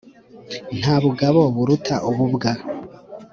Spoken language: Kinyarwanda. Nta bugabo buruta ububwa.